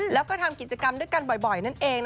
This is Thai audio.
แล้วก็ทำกิจกรรมด้วยกันบ่อย